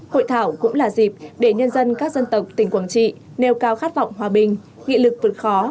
hội thảo cũng là dịp để nhân dân các dân tộc tỉnh quảng trị nêu cao khát vọng hòa bình nghị lực vượt khó